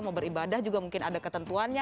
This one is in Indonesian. mau beribadah juga mungkin ada ketentuannya